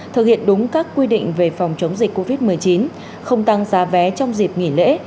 thực hiện đúng các quy định về phòng chống dịch covid một mươi chín không tăng giá vé trong dịp nghỉ lễ